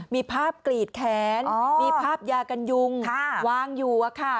มีภาพกรีดแขนมีภาพยากันยุงวางอยู่